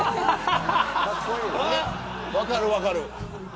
分かる分かる。